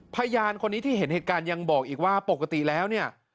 พยานคนนี้ที่เห็นเหตุการณ์ยังบอกอีกว่าปกติแล้วเนี่ย